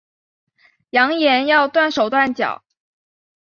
扬言要断手断脚